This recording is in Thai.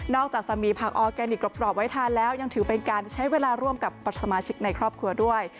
จากจะมีผักออร์แกนิคกรอบไว้ทานแล้วยังถือเป็นการใช้เวลาร่วมกับสมาชิกในครอบครัวด้วย